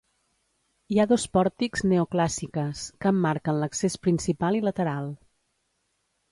Hi ha dos pòrtics, neoclàssiques, que emmarquen l'accés principal i lateral.